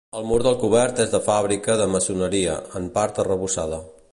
El mur del cobert és de fàbrica de maçoneria, en part arrebossada.